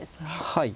はい。